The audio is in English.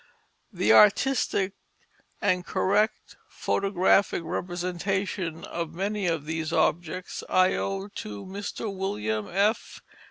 _ _The artistic and correct photographic representation of many of these objects I owe to Mr. William F.